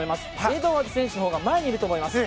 エドワーズ選手のほうが前にいると思います。